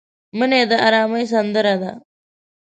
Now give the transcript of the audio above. منی د ارامۍ سندره ده